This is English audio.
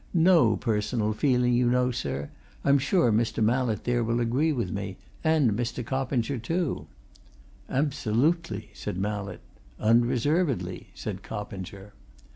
No personal feeling, you know, sir. I'm sure Mr. Mallett there will agree with me and Mr. Coppinger too." "Absolutely!" said Mallett. "Unreservedly!" said Coppinger.